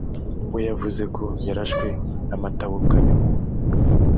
we yavuze ko yarashwe na Mathew Kanyamunyu